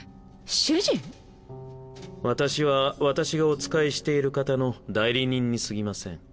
私は私がおつかえしている方の代理人にすぎません。